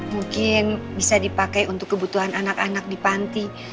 mungkin bisa dipakai untuk kebutuhan anak anak di panti